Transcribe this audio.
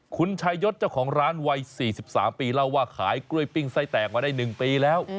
คุณชายศเจ้าของร้านวัย๔๓ปีเล่าว่าขายกล้วยปิ้งไส้แตกมาได้๑ปีแล้ว